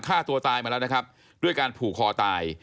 ฆ่าตัวตายมาแล้วนะครับด้วยการผูกคอตาย